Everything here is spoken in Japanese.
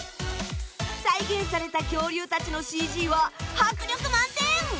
再現された恐竜たちのＣＧは迫力満点！